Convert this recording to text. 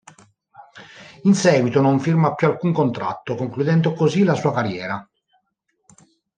In seguito non firma più alcun contratto, concludendo così la sua carriera.